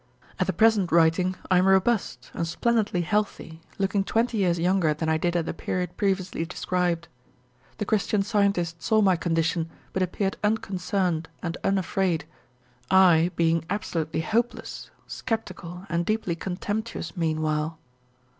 At the present writing, I am robust and splendidly healthy, looking twenty years younger than I did at the period previously described. The Christian Scientist saw my condition but appeared unconcerned and unafraid, I being absolutely hopeless, skeptical, and deeply contemptuous meanwhile.